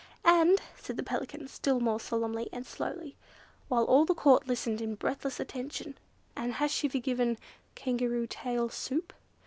"And," said the Pelican, still more solemnly and slowly, while all the Court listened in breathless attention, "and has she forgiven Kangaroo tail Soup?"